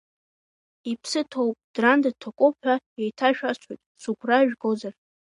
Иԥсы ҭоуп, Дранда дҭакуп ҳәа еиҭашәасҳәоит, сыгәра жәгозар.